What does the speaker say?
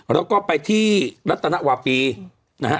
แล้วก็ไปที่รัตนวาปีนะฮะ